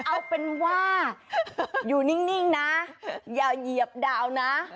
เอาเป็นว่าอยู่นิ่งนะอย่าเหยียบดาวนะ